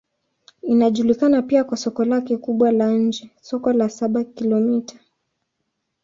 Inajulikana pia kwa soko lake kubwa la nje, Soko la Saba-Kilomita.